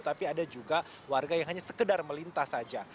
tapi ada juga warga yang hanya sekedar melintas saja